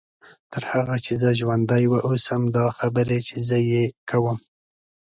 تر هغه چې زه ژوندۍ واوسم دا خبرې چې زه یې کوم.